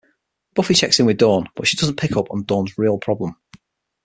Buffy checks in with Dawn, but she doesn't pick up on Dawn's real problem.